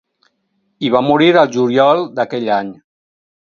Hi va morir al juliol d'aquell any.